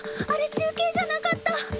あれ中継じゃなかった！